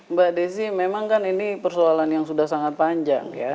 mbak desi memang kan ini persoalan yang sudah sangat panjang ya